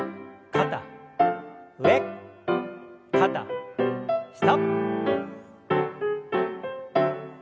肩上肩下。